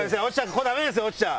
ここダメですよ落ちちゃ。